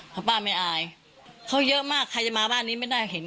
เพราะป้าไม่อายเขาเยอะมากใครจะมาบ้านนี้ไม่ได้เห็น